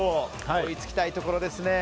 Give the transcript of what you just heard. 追いつきたいところですね。